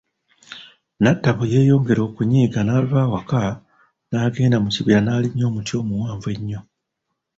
Natabo yeyongera okunyiiga naava awaka n'agenda mu kibiira naalinnya omuti omuwanvu ennyo.